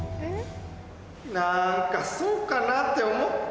なんかそっかなって思った。